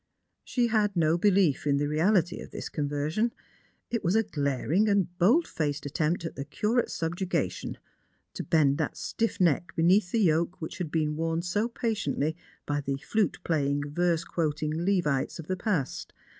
She had no belief in the reality of this conversion. It was a glaring and bold faced attempt at the Curate's subju gation, to bend that stiff neck beneath the yoke which had been worn so patiently by the flute playing, verse quoting Levites of the past.